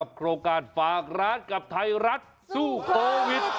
โครงการฝากร้านกับไทยรัฐสู้โควิด